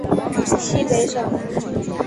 西北省